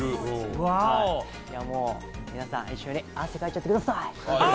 皆さん、一緒に汗かいちゃってください！